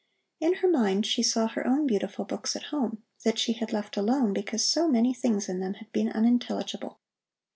In her mind she saw her own beautiful books at home, that she had left alone because so many things in them had been unintelligible.